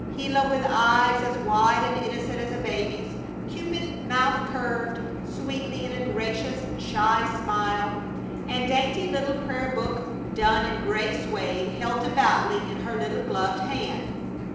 Gila with eyes as wide and innocent as a baby's, cupid mouth curved sweetly in a gracious, shy smile, and dainty little prayer book done in gray suède held devoutly in her little gloved hand.